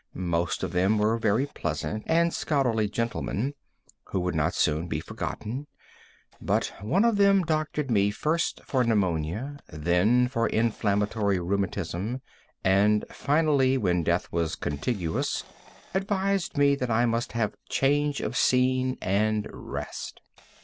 Most of them were very pleasant and scholarly gentlemen, who will not soon be forgotten; but one of them doctored me first for pneumonia, then for inflammatory rheumatism, and finally, when death was contiguous, advised me that I must have change of scene and rest.